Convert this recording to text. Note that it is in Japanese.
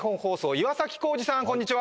岩弘志さんこんにちは！